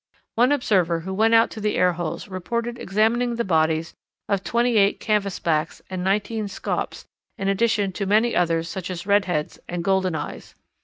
One observer who went out to the air holes reported examining the bodies of twenty eight Canvas backs and nineteen Scaups in addition to many others such as Redheads and Golden eyes.